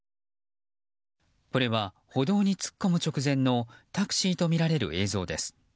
これは、歩道に突っ込む直前のタクシーとみられる映像です。